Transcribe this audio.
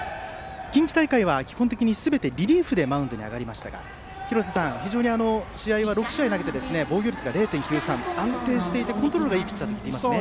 近畿大会は基本的にすべてリリーフでマウンドに上がりましたが廣瀬さん、非常に試合は６試合投げて防御率が０．９３と安定していてコントロールのいいピッチャーですね。